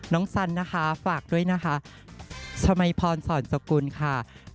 สันนะคะฝากด้วยนะคะชมัยพรสอนสกุลค่ะ